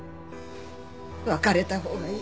別れた方がいい。